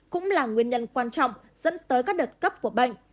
cũng là nguyên nhân quan trọng dẫn tới các đợt cấp của bệnh